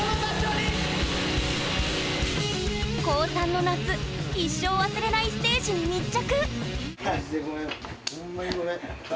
高３の夏一生忘れないステージに密着！